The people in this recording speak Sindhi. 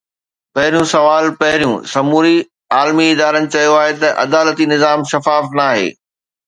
پهريون سوال پهريون! سمورن عالمي ادارن چيو آهي ته عدالتي نظام شفاف ناهي.